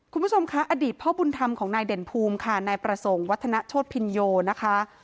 คุณผู้ชมคะอดีตพ่อบุญธรรมของนายเด่นภูมิค่ะนายประสงค์วัฒนโชธพินโยนะคะ